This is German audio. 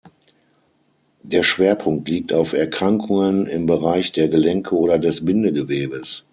Der Schwerpunkt liegt auf Erkrankungen im Bereich der Gelenke oder des Bindegewebes.